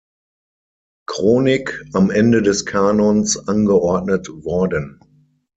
Chronik am Ende des Kanons angeordnet worden.